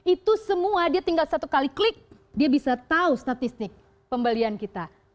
itu semua dia tinggal satu kali klik dia bisa tahu statistik pembelian kita